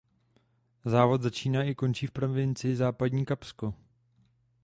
Závod začíná i končí v provincii Západní Kapsko.